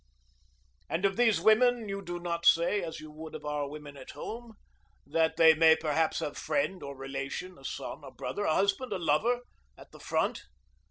And of these women you do not say, as you would of our women at home, that they may perhaps have friend or relation, a son, a brother, a husband, a lover, at the front.